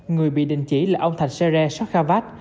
người bị đình chỉ là ông thạch sê rê sóc kha vát